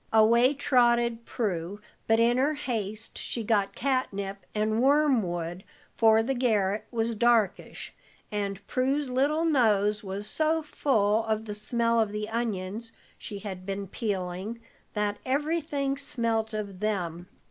Away trotted Prue, but in her haste she got catnip and wormwood, for the garret was darkish, and Prue's little nose was so full of the smell of the onions she had been peeling, that everything smelt of them.